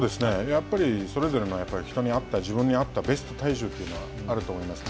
やっぱりそれぞれの人に合った、自分に合ったベスト体重というのはあると思いますね。